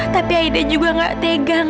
tapi ide juga gak tegang